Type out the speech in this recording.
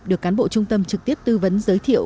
được cán bộ trung tâm trực tiếp tư vấn giới thiệu